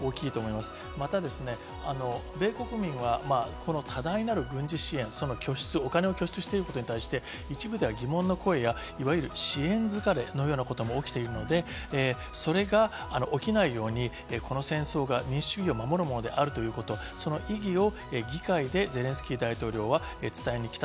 また米国民は、多大なる軍事支援、拠出、お金を拠出してることについて一部、疑問の声や、支援疲れのようなことも起きているので、それが起きないように、この戦争が民主主義を守るものであるということ、その意義を議会でゼレンスキー大統領は伝えに来た。